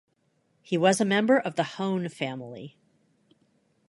He was a member of the Hone family.